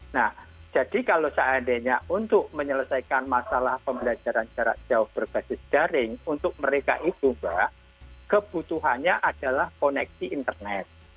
nah jadi kalau seandainya untuk menyelesaikan masalah pembelajaran jarak jauh berbasis daring untuk mereka itu mbak kebutuhannya adalah koneksi internet